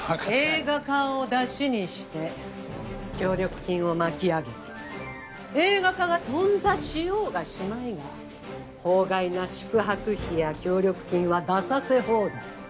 映画化をだしにして協力金を巻き上げ映画化が頓挫しようがしまいが法外な宿泊費や協力金は出させ放題。